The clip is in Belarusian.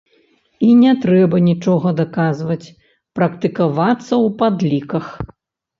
І не трэба нічога даказваць, практыкавацца ў падліках.